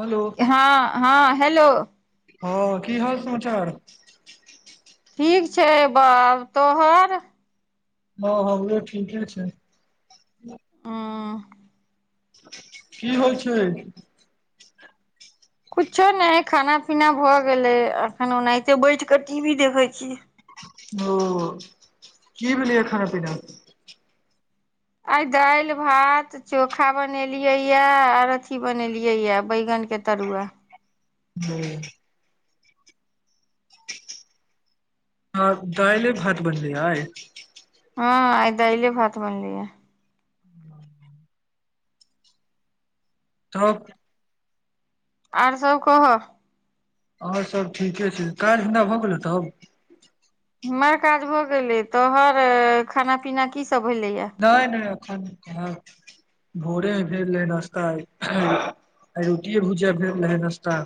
Hello हँ हँ hello हँ की हाल समाचार ठीक छै बाउ तोहर हँ हमरो ठीके छै [unintelligible] की होइ छै कुछो नहि खाना पीना भऽ गेले अखन ओनाहिते बैठ कऽ टी वी देखै छियै ओ की भेलै यऽ खाना पीना आइ दालि भात चोखा बनेलियै यऽ आर अथी बनेलियै यऽ बैंगन केँ तरुआ ओ हँ दाइले भात बनलैय आइ हँ हँ आय दइले भात बनलै य [inaudible] तब आर सब कहऽ आओर सब ठीके छै काज धन्धा भऽ गेलै तब हमर काज भऽ गेलै तोहर खाना पीना कीसभ भेलैये नहि नहि एखन [unintelligible] भोरे भेल रहै नाश्ता आइ, आइ रोटीये-भुजिया भेल रहै नाश्ता।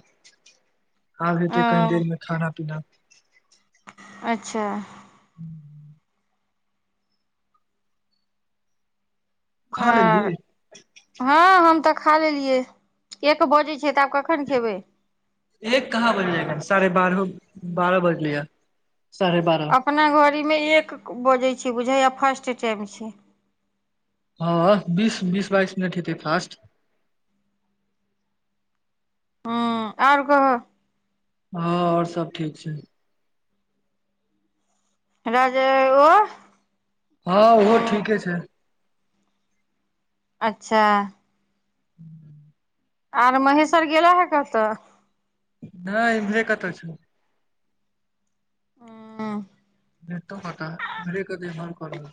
आब हेतै कनी अ देरमे खाना-पीना अच्छा, [inaudible] खा आर लेलहि? हँ हम तऽ खा लेलियै, एक बजै छै तऽ आब कखन खेबै? एक कहाँ बजलियै? साढ़े बारहो, बारह बजलैयाए, साढ़े बारह अपना घड़ीमे एक बजै छै बुझैय फास्ट टाइम छै। हँ, बीस बीस-बाइस मिनट हेतै फास्ट। हॅं, आओर कहू हँ, आओर सब ठीक छै। राजा [unintelligible] ओ हँ, ओहो उं ठीके छै। अच्छा। [inaudible] आर महेश्वर गेलेहे कतय? नहि इम्हरे कतहुॅं छै। हॅं नहि तॅं कतहुॅं, [unintelligible] बेर कऽ रहल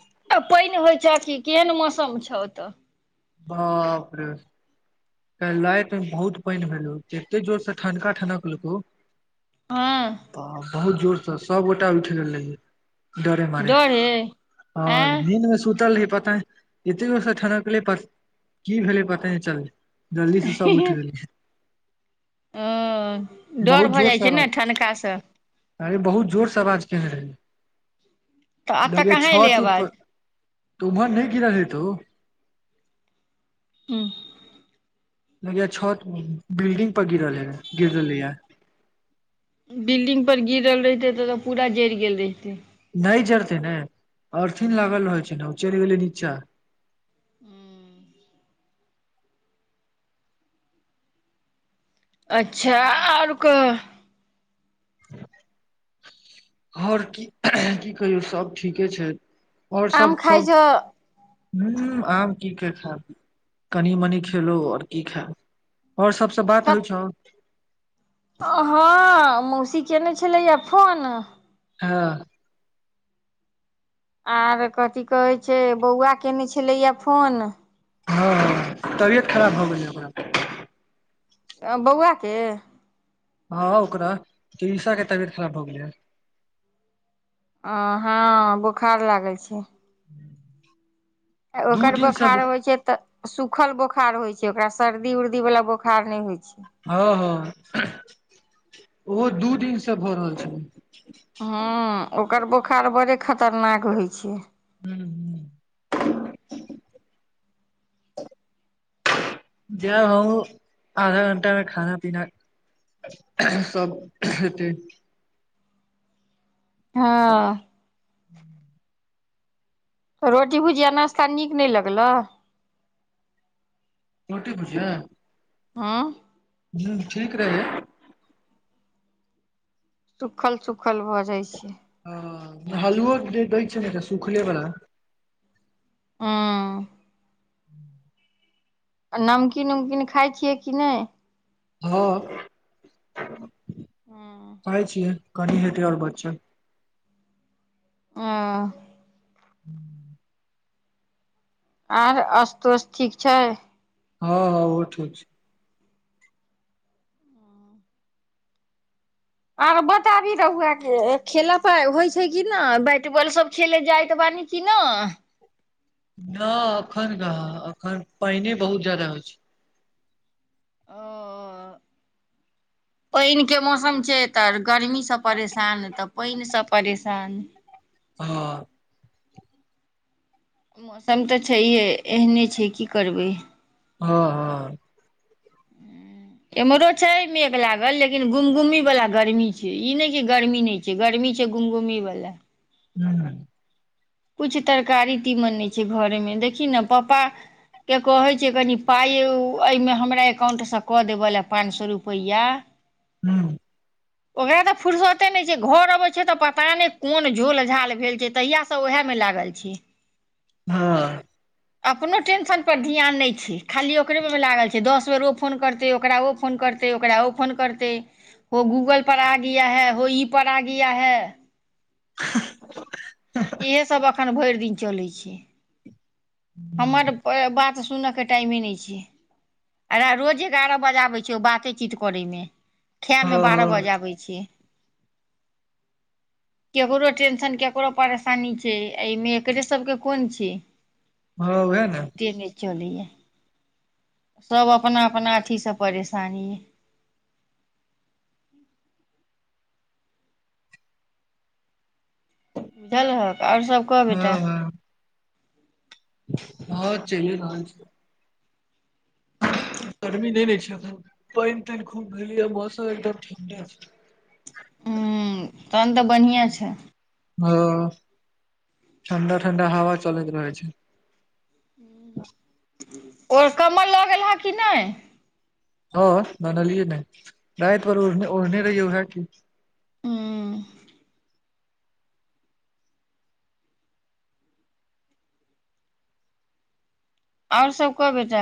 पानि होइ छौ, की केहन मौसम छौ ओतय? बापरे! काल्हि रातिमे बहुत पानि भेलौं, जते जोरसे ठनका ठनकलहुॅं हँ हॅं बहुत जोरसँ, सब गोटा उठि रहियै डरे मारे, डर हे हँ आँय निंदमे सुतल रहियै पता नइॅं इते जोरसॅं ठनकलै प- की भेलै पते नहि चललै, जल्दीसे सब उठि गेलखिन ओ डर भऽ जाइ छै ने आवाज ठनकाँसॅं अरे बहुत जोरसँ आवाज केने रहै। तऽ एतऽ देखियै कहाँ एलै छत-उत आवाज पर तऽ उम्हर नहि गिरल हेतौ [unintelligible] लगैया छत बिल्डिंग पर गिरलैयै बिल्डिंग पर गिरल रहितै तॅं पूरा जड़ि गेल रहितै नहि जरतै ने अर्थिंग लागल रहे छै ने, उ चलि गेलै नीचाँ हूॅं अच्छा, आओर कह? आओर की, की कहियौ? सब ठीके छै। आओर आम सब, खाइ सब छौ हूॅं, आम की खायब, कनि-मनि खेलहुॅं, आओर की खायब? आओर सबसॅं बात होइ कत छौ? हँ, मौसी केने छलैया फोन। हँ आर कथि कहै छै बौआ केने छलैया फोन। हँ तबियत खराब भऽ गेलैये? बौआकेॅं? हँ ओकरा तृषा के तबियत खराब भऽ गेले हन ओ हँ बोखार लागेय छै [unintelligible] ओकर दिन से बोखार होइ छै तऽ सुूखल बोखार होइ छै ओकरा सर्दी उर्दी वला बोखार नहि होइ छै हँ हँ ओहो दू दिन से भऽ रहल छै हँ ओकर बोखार बड़े खतरनाक होइ छैय हू हू जाहो आधा घण्टा में खाना पीना सब हेतै हँ [unintelligible] रोटी भुजिया नाश्ता नीक नहि लगलह रोटी भुजिया हँ ह ठीक रहै सुखल सुखल भऽ जाय छै ह हलुओ दै छै नऽ त सुूखले बला [unintelligible] [unintelligible] आ नमकीन उमकीन खाइ छियै कि नहि हँ खाय छियै कनि हेतै आओर बचल ओ हूँ ओर आस्तोष ठीक छै हँ हँ ओहो ठीक छै आ बताबी रहु [unintelligible] खेला पा होइ छै की ने बैट बॉल सब खेले जायत बानी कि नहि न अखन कहाँ अखन पायने बहुत ज्यदाा हो छैय [unintelligible] पानिके मौसम छै तऽ गर्मीसँ परेशान तऽ पानिसँ परेशान हां मौसम तऽ छैहे एहने छै की करबै हँ हँ एम्हरो छै मेघ लागल लेकिन गुमगुमी वाला गर्मी छै ई नेय की गर्मी नहि छै गर्मी छै गुमगुमी वाला हू किछु तरकारी तीमन नहि छै घरेमे देखी नऽ पापा के कहै छिये कनि पाइ एहिमे हमरा एकाउंटसँ कऽ देबैल पाँच सए रुपैया हू ओकरा तऽ फुरसते नहि छै घर अबै छै तऽ पता नहि कोन झोल झाल भेल छै तहिया सऽ ओएह मे लागल छैय हँ अपनो टेंशन पर ध्यान नहि छै खाली ओकरे मे लागल छै दस बेर ओ फोन करतै ओकरा ओ फोन करतै ते ओकरा ओ फोन करतय हो गूगल पर आ गिया है हो ई पर आ गिया है [unintelligible] एसब अखन भरि दिन चलै छै हमर बात सुनयके टाइमे नहि छै [unintelligible] रोज एगारह बजे आबै छै ओ बातेचीत करैमे खायमे बारह हँ बजाबै छै [inaudible] केकरो टेंशन केकरो परेशानी छै एहिमे एकरे सबके कोन छि हँ ओहै ने [unintelligible] तेने चलेया सब अपना अपना अथी से परेशानी ए देलहक आओर सब कह हँ बेटा हँ हँ चलिए रहल छै गरमी नहि ने छै [unintelligible] पानि तानि खूब भेल मौसम एकदम ठंडा हम्म तहन तऽ बनिहा छै ओ ठण्डा ठण्डा हवा चलैत रहै छै आर कम्मल लऽ गेल हे कि नहि हँ ननलीये नहि येपर ओढ़ ओढ़ने रहै ओएहा की ह आओर सब कऽ बेटा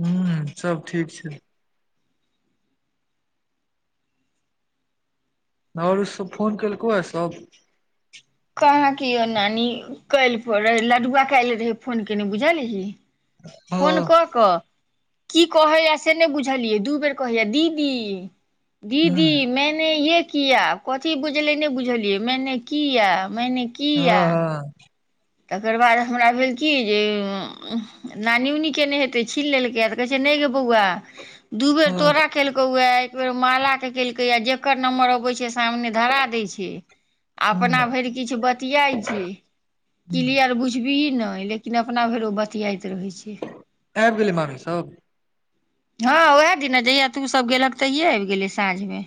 हम्म सब ठीक छै आओरो सब फोन केलकौ ए सब कहाँ क यौ नानी काल्हि प रहै लडुआ काल्हि रहै फोन केयने बुझलीही हँ फोन कऽ कऽ की कहैया से नहि बुझलियै दू बेर कहैया दीदी हूँ दीदी मैनें ये किया कथी बुझलय नहि बुझलियै मैनें किया मैनें किया हँ हँ तकर बाद हमरा भेल की जे नानी उनी केने हेतै छीन लेलकै कहय छै नहि गेबौआ दू बेर हँ तोरा केलकौए एक बेर माला के केलकैए या जेकर नंम्बर अबय छै से सामने धरा देय छै आ अपना हूँ भरि किछ बतियाइ छै हूँ क्लियर बुझबिभी नहि लेकिन अपना भरि ओ बतियाइत रहैत छै आबि गेलै मामीसब हँ ओएह दिना जहिया तू सब गेलहक तहियए आबि गेलहे साँझमे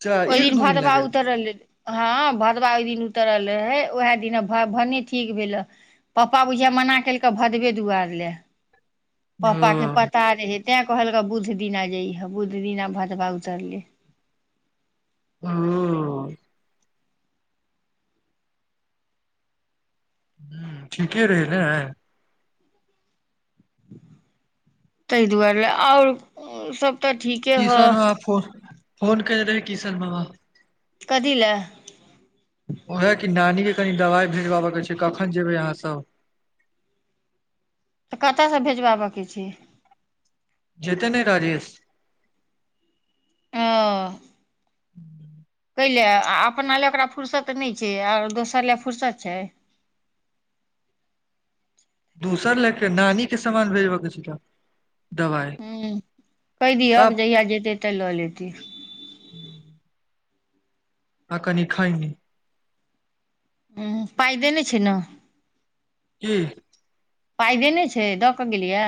अच्छा ओहि एक दिन दू भातबा लगेल उतरले हँ भदवा ओहि दिन उतरल रहे उएह दिन भ भने ठीक भेल ह पप्पा बुझिया मना केलक भदबे दुआरि ले पपा के प ओ [unintelligible] तैं कहलक बुध दिना जइहे बुध दिना भदवा उतरले [unintelligible] हम्म ठीके रहै ने तहि दुआरे आओर सब तऽ ठीके ह कूर [unintelligible] फोन कने रहै किशन बाबा कदी लए ओएह कि नानीके कनि दवाइ भेजबाबयके छै कखन जेबै अहाँसब तऽ कतयसँ भेजवाबैके छै जेते ने राजेश [unintelligible] कैलए आ अपना लए ओकरा फुरसत नहि छै आ दोसर लए फुरसत छै दोसर लएके नानी के समामान भेजबय के छै तऽ दवाइ ह कहि दियअ सब जहिया जेते तऽ लऽ लेतय [unintelligible] आ कनि खायनी ह पाइ देने छै नऽ की पाइ देने नहि छै दऽ कऽ गेलियै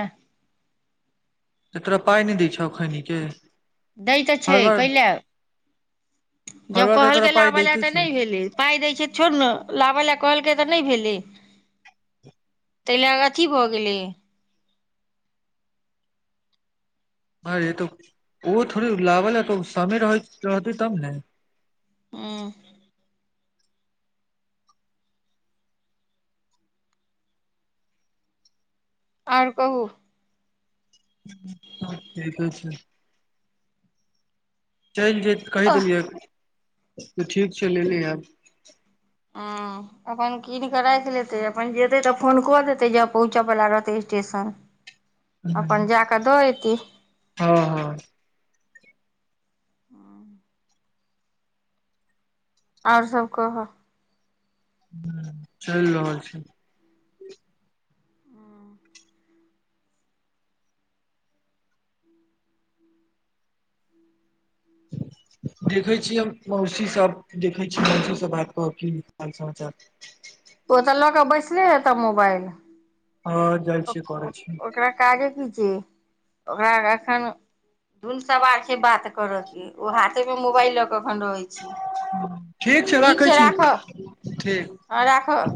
तऽ तोरा पाइ नहि दै छौ खैनीके दै तऽ छै कैले हर जब बार तऽ तोरा कहलके पाइ लाबै लए दैते तऽ छै नहि भेलै पाय दै छै छोड़ ने लाबै लऽ कहलकै तऽ नहि भेलैय ताहि ल अथी भऽ गेलै अरे तो ओहो थोड़े लागल ह तऽ समय रहतै तब नऽ [unintelligible] ओर कहू [inaudible] चलि जाएत कहि तऽ देलियै त ठीक छै लेलेआब अं अपन कीन कऽ राखि लेतै अपन जेतै तऽ फोन कऽ देतै ज पहुँचय वला रहतै स्टेशन [unintelligible] अपन जा कऽ द एते हँ हँ ओर सब कहय हू चलि रहल छैय [inaudible] देखै छियै हम मौसीसँ देखै छीयै मौसीसँ बात काय की हाल समाचार ओ तऽ लऽ कऽ बैसले हेतऽ मोबाइल ओर ओ-ओ-ओकरा काजे की छै ओकरा एखन धून सवार से बात करऽ के ओ हाथे में मोबाइल लऽ के अखन रहै छैय ठीक छै राखै छी ठीक हँ राखय